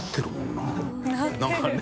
なんかね。